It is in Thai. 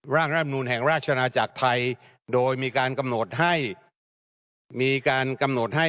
ร่างร่ามนูลแห่งราชนาจากไทยโดยมีการกำหนดให้